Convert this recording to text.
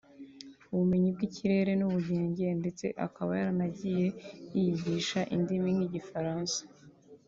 ubumenyi bw’ikirere n’ubugenge ndetse akaba yaranagiye yiyigisha indimi nk’igifaransa